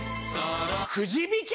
くじ引き？